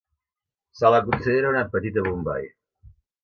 Se la considera una Petita Bombai.